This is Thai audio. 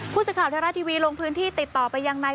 พูดสิทธิ์ข่าวธรรมดาทีวีลงพื้นที่ติดต่อไปยังไง